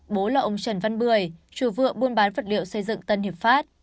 bố là ông trần văn bưởi chủ vựa buôn bán vật liệu xây dựng tân hiệp pháp